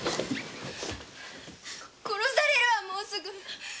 殺されるわもうすぐ。